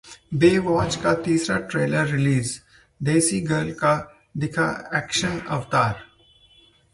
Baywatch का तीसरा trailer release, desi girl का दिखा एक्शन अवतार